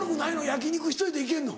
焼き肉１人で行けるの？